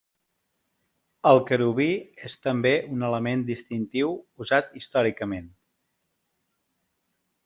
El querubí és també un element distintiu usat històricament.